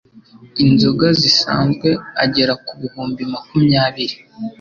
inzoga zisanzwe agera ku bihumbi makumyabiri